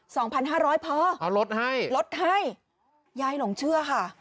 สองพันห้าร้อยพอเอาลดให้ลดให้ยายหลงเชื่อค่ะ